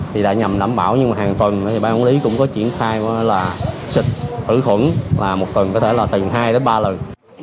thì đã nhầm đảm bảo nhưng mà hàng tuần thì bán ổn lý cũng có triển khai là xịt thử khuẩn và một tuần có thể là từng hai đến ba lần